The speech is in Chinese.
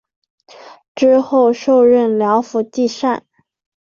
之后授任辽府纪善。